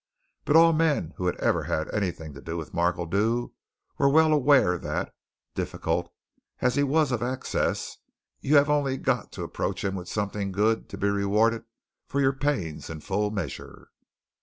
But all men who ever had anything to do with Markledew were well aware that, difficult as he was of access, you had only got to approach him with something good to be rewarded for your pains in full measure.